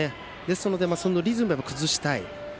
なので、そのリズムを崩したい。